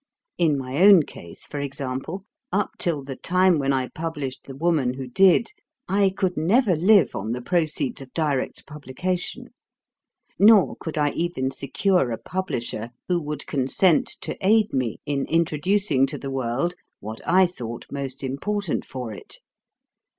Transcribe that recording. In my own case, for example, up till the time when I published The Woman who Did, I could never live on the proceeds of direct publication; nor could I even secure a publisher who would consent to aid me in introducing to the world what I thought most important for it.